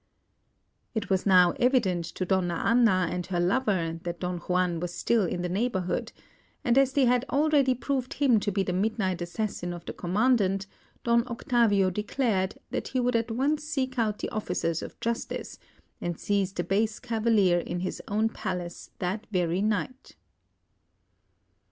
It was now evident to Donna Anna and her lover that Don Juan was still in the neighbourhood, and as they had already proved him to be the midnight assassin of the Commandant, Don Octavio declared that he would at once seek out the officers of Justice, and seize the base cavalier in his own palace that very night.